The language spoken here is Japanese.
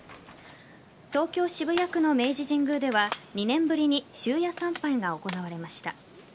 東京・渋谷区の明治神宮では２年ぶりに終夜参拝が行われました。